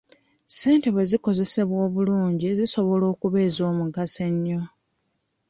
Ssente bwezikozesebwa obulungi zisobola okuba ez'omugaso ennyo.